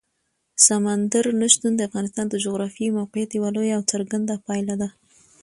سمندر نه شتون د افغانستان د جغرافیایي موقیعت یوه لویه او څرګنده پایله ده.